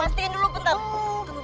wah neng keren bet